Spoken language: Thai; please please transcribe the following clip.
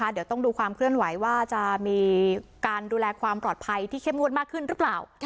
เดี๋ยวต้องดูความเคลื่อนไหวว่าจะมีการดูแลความปลอดภัยที่เข้มงวดมากขึ้นหรือเปล่า